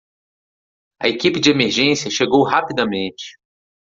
A equipe de emergência chegou rapidamente.